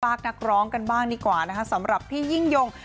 นักร้องกันบ้างดีกว่านะคะสำหรับพี่ยิ่งยง